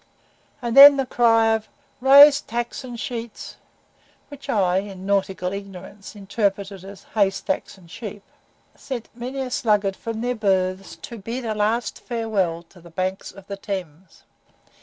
And then the cry of "raise tacks and sheets" (which I, in nautical ignorance, interpreted "hay stacks and sheep") sent many a sluggard from their berths to bid a last farewell to the banks of the Thames.